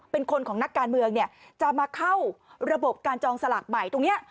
เป็นคนของนักการเมืองจะมาเข้าระบบการจองสลากใหม่ตรงนี้